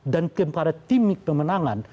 dan kepada tim pemenangan